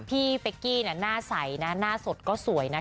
พี่เฟคกี้หน่าใสนะหน้าสดก็สวยนะครับ